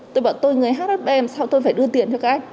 tôi bảo tôi người hhb sao tôi phải đưa tiền cho các anh